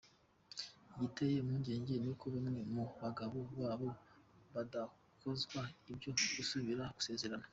Igiteye impungenge ni uko bamwe mu bagabo babo badakozwa ibyo gusubira gusezerana.